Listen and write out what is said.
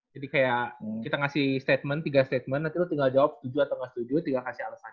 jadi kayak kita ngasih statement tiga statement nanti lu tinggal jawab setuju atau gak setuju tinggal kasih alasannya